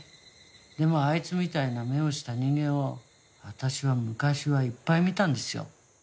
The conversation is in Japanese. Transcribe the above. でもあいつみたいな目をした人間を私は昔はいっぱい見たんですよ。